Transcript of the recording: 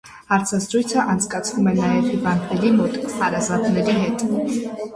Հարցազրույց անցկացվում էր նաև հիվանդների մոտ հարազատների հետ։